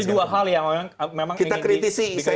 jadi dua hal yang memang ingin dikritisi